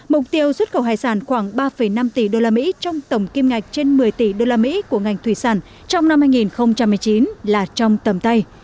mục tiêu xuất khẩu hải sản khoảng ba năm tỷ usd trong tổng kim ngạch trên một mươi tỷ usd của ngành thủy sản trong năm hai nghìn một mươi chín là trong tầm tay